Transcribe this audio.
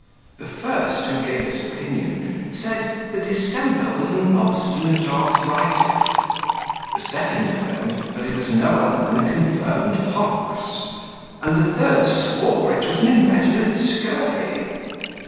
The first who gave his opinion, said, the distemper was an obstinate arthritis; the second affirmed, that it was no other than a confirmed pox; and the third swore, it was an inveterate scurvy.